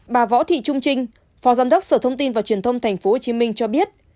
bà võ thị trung trinh phó giám đốc sở thông tin và truyền thông tp hcm cho biết